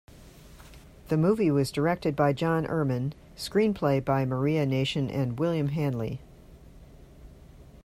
The movie was directed by John Erman, screenplay by Maria Nation and William Hanley.